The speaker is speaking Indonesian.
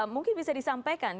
mungkin bisa disampaikan